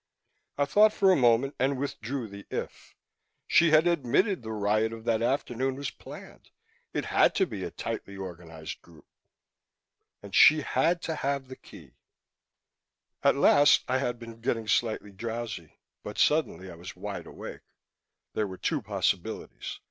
I thought for a moment and withdrew the "if." She had admitted the riot of that afternoon was planned. It had to be a tightly organized group. And she had to have the key. At last, I had been getting slightly drowsy, but suddenly I was wide awake. There were two possibilities.